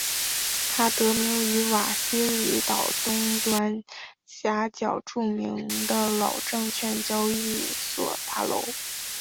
它得名于瓦西里岛东端岬角著名的老证券交易所大楼。